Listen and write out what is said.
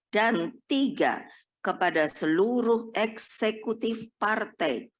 dan tiga kepada seluruh eksekutif partai